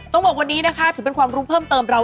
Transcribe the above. ต้องบอกวันนี้นะคะถือเป็นความรู้เพิ่มเติมเรา